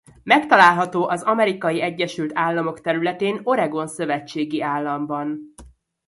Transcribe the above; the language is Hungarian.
Megtalálható az Amerikai Egyesült Államok területén Oregon szövetségi államban.